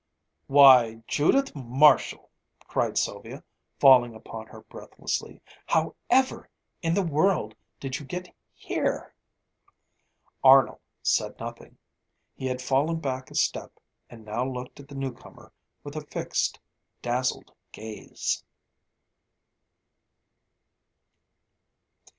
"Why, Judith Marshall!" cried Sylvia, falling upon her breathlessly. "However in the world did you get here!" Arnold said nothing. He had fallen back a step and now looked at the new comer with a fixed, dazzled gaze.